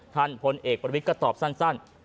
พลเอกประวิทย์ก็ตอบสั้น